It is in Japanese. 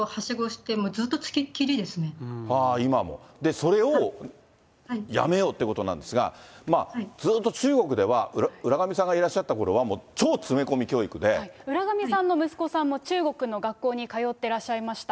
それをやめようということなんですが、ずっと中国では、浦上さんがいらっしゃったころは、浦上さんの息子さんも中国の学校に通ってらっしゃいました。